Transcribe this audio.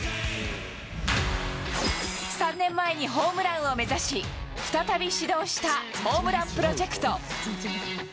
３年前にホームランを目指し、再び始動したホームランプロジェクト。